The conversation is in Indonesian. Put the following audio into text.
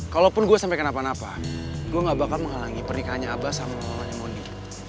kalaupun gua sampe kenapa napa gua gak bakal menghalangi pernikahannya abah sama mamanya mondi